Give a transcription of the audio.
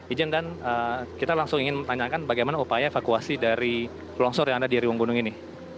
ijen dan kita langsung ingin menanyakan bagaimana upaya evakuasi dari longsor yang ada di riung gunung ini